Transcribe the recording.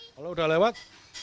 kalau udah lewat